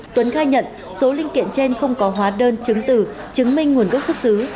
tuấn khai nhận số linh kiện trên không có hóa đơn chứng tử chứng minh nguồn gốc xuất xứ